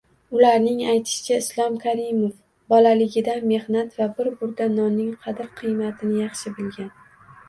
Ularning aytishicha, Islom Karimov bolaligidan mehnat va bir burda nonning qadr-qimmatini yaxshi bilgan